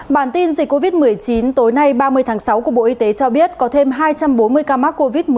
bản tin dịch covid một mươi chín tối nay ba mươi tháng sáu của bộ y tế cho biết có thêm hai trăm bốn mươi ca mắc covid một mươi chín